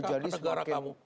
atau negara kamu